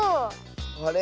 あれ？